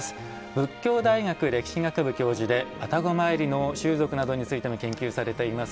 佛教大学歴史学部教授で愛宕詣りの習俗などについても研究されています